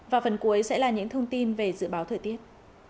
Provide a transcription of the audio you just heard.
và phần cuối sẽ là những thông tin về dự báo thời tiết